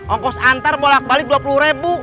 ongkos antar bolak balik dua puluh ribu